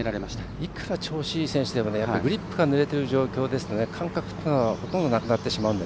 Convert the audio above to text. いくら調子のいい選手でもグリップがぬれている状態だと感覚というのが、ほとんどなくなってしまいますので。